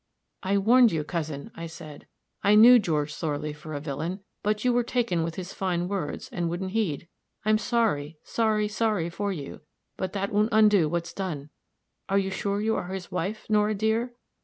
"'I warned you, cousin,' I said; 'I knew George Thorley for a villain; but you were taken with his fine words, and wouldn't heed. I'm sorry, sorry, sorry for you but that won't undo what's done. Are you sure you are his wife, Nora dear?'